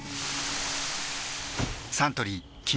サントリー「金麦」